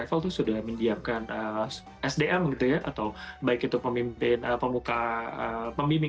selain itu sejumlah travel haji juga menyediakan fasilitas badal haji dengan kisaran harga rp lima belas hingga rp dua puluh lima juta